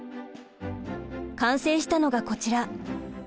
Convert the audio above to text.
完成したのがこちら。